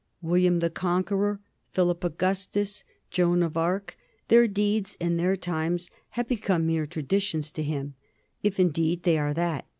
William the Conqueror, Philip Augus tus, Joan of Arc, their deeds and their times, have be come mere traditions to him, if indeed they are that.